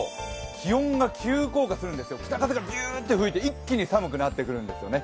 気温が急降下するんですよ、北風がビューっと吹いて一気に寒くなってくるんですよね。